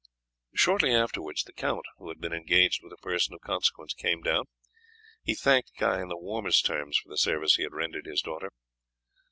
Shortly afterwards the count, who had been engaged with a person of consequence, came down. He thanked Guy in the warmest terms for the service he had rendered his daughter.